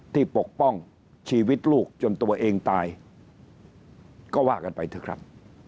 ปกป้องชีวิตลูกจนตัวเองตายก็ว่ากันไปเถอะครับ